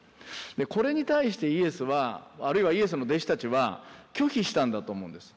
これに対してイエスはあるいはイエスの弟子たちは拒否したんだと思うんです。